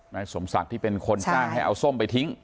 นายสมศักดิ์ที่เป็นคนจ้างให้เอาส้มไปทิ้ง